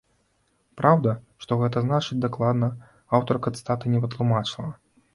Праўда, што гэта значыць дакладна, аўтарка цытаты не патлумачыла.